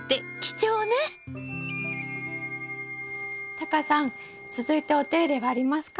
タカさん続いてお手入れはありますか？